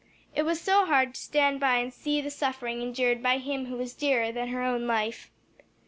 It was so hard to stand by and see the suffering endured by him who was dearer than her own life.